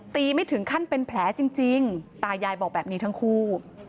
ไม่ถึงขั้นเป็นแผลจริงตายายบอกแบบนี้ทั้งคู่